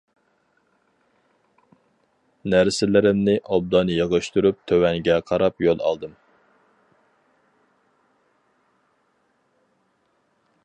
نەرسىلىرىمنى ئوبدان يىغىشتۇرۇپ تۆۋەنگە قاراپ يول ئالدىم.